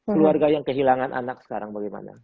keluarga yang kehilangan anak sekarang bagaimana